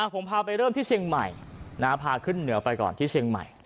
ผมพาไปเริ่มที่เชียงใหม่พาขึ้นเหนือไปก่อนที่เชียงใหม่